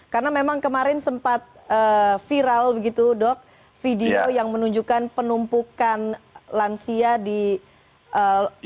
karena memang kemarin sempat viral begitu dok video yang menunjukkan penumpukan lansia dan vaksinasi